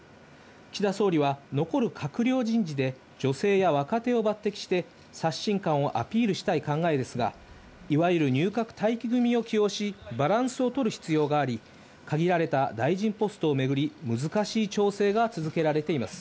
岸田総理は残る閣僚人事で、女性や若手を抜てきして、刷新感をアピールしたい考えですが、いわゆる入閣待機組を起用し、バランスをとる必要があり、限られた大臣ポストを巡り、難しい調整が続けられています。